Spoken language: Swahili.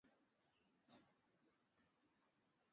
Mapigano makali yanaendelea kati ya wanajeshi na waasi